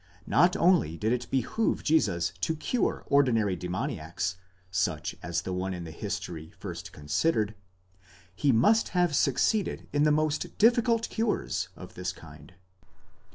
Not only did it behove Jesus to cure ordinary demo niacs, such as the one in the history first considered; he must have succeeded in the most difficult cures of this kind.